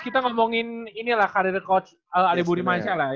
kita ngomongin ini lah karir coach aliburi masya lah